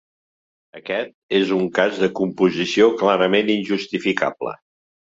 Aquest és un cas de composició clarament injustificable.